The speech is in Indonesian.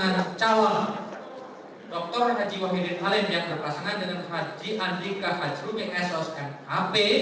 bakal pasangan calon dr haji wahidin halim yang berpasangan dengan haji andika hazrumi sos mhp